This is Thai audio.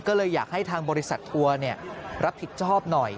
ก็เลยอยากให้ทางบริษัททัวร์รับผิดชอบหน่อย